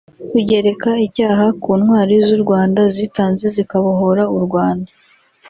kugereka icyaha ku Ntwali z’u Rwanda zitanze zikabohara u Rwanda